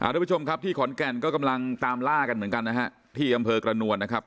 ทุกผู้ชมครับที่ขอนแก่นก็กำลังตามล่ากันเหมือนกันนะฮะที่อำเภอกระนวลนะครับ